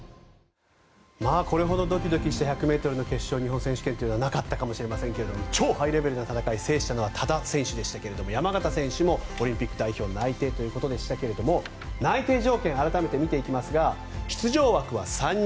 これほどドキドキした１００ｍの決勝日本選手権というのはなかったかもしれませんが超ハイレベルな戦いを制したのは多田修平選手でしたが山縣選手もオリンピック代表内定ということでしたが内定条件を改めて見ていきますが出場枠は３人。